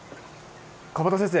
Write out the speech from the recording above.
河端先生